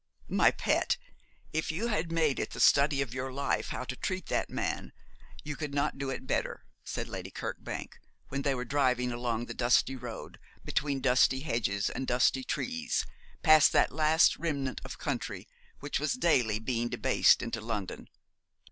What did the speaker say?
'My pet, if you had made it the study of your life how to treat that man you could not do it better,' said Lady Kirkbank, when they were driving along the dusty road between dusty hedges and dusty trees, past that last remnant of country which was daily being debased into London.